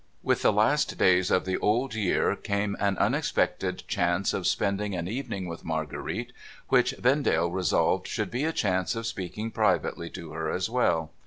With the last days of the old year came an unexpected chance of spending an evening with Marguerite, which Vendale resolved should be a chance of speaking privately to her as well.